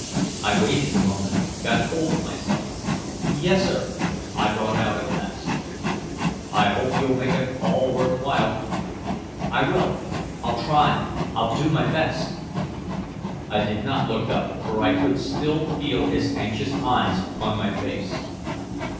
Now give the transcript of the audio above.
I waited a moment, got hold of myself. "Yes, sir," I brought out at last. "I hope you'll make it all worth while." "I will. I'll try. I'll do my best." I did not look up, for I could still feel his anxious eyes upon my face.